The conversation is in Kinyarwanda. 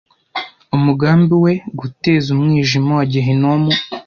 umugambi we guteza umwijima wa Gihenomu